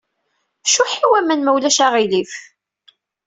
Cuḥḥ i waman, ma ulac aɣilif.